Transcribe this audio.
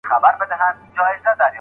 استاد ته پکار ده چي د شاګرد مخالفت ومني.